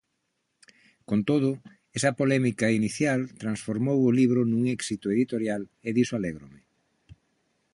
Con todo, esa polémica inicial transformou o libro nun éxito editorial e diso alégrome.